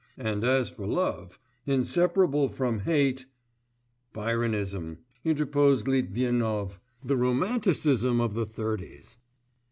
And as for love, inseparable from hate....' 'Byronism,' interposed Litvinov, 'the romanticism of the thirties.